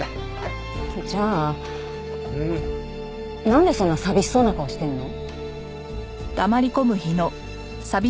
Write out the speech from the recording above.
なんでそんな寂しそうな顔してんの？